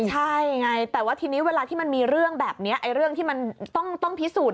ใช่ไงแต่ว่าทีนี้เวลาที่มันมีเรื่องแบบนี้เรื่องที่มันต้องพิสูจน์